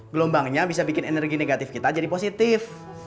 gelombangnya bisa bikin energi negatif kita jadi positif